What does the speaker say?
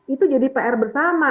itu jadi pr bersama